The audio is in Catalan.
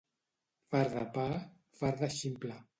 Fart de pa, fart de ximple.